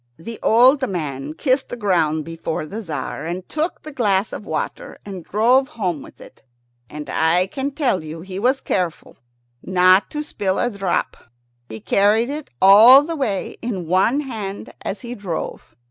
The old man kissed the ground before the Tzar, and took the glass of water and drove home with it, and I can tell you he was careful not to spill a drop. He carried it all the way in one hand as he drove.